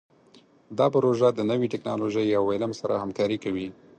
دا پروژه د نوي ټکنالوژۍ او علم سره همکاري کوي.